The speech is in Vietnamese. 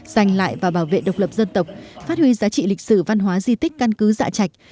giành lại và bảo vệ độc lập dân tộc phát huy giá trị lịch sử văn hóa di tích căn cứ dạ chạch